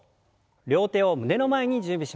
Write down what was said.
両手を胸の前に準備します。